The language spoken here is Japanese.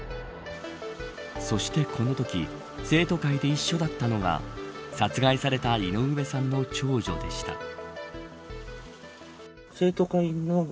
そして、このとき生徒会で一緒だったのは殺害された井上さんの長女でした。